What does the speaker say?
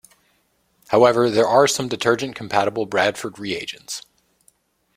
However, there are some detergent-compatible Bradford reagents.